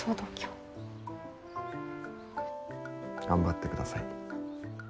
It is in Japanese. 頑張ってください。